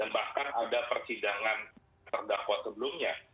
dan bahkan ada persidangan terdakwa sebelumnya